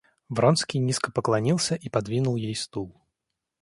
Вронский низко поклонился и подвинул ей стул.